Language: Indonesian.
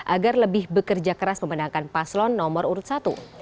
agar lebih bekerja keras memenangkan paslon nomor urut satu